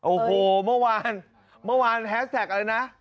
โอ้โหเมื่อวานแฮสแท็กอะไรนะ